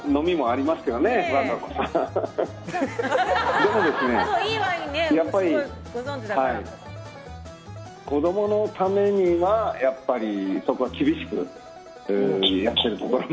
でもやっぱり子どものためにはそこは厳しくやってるところも。